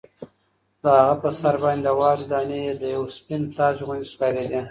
د هغه په سر باندې د واورې دانې د یوه سپین تاج غوندې ښکارېدې.